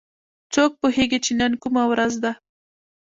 څوک پوهیږي چې نن کومه ورځ ده